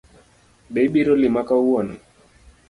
Be ibiro lima kawuono?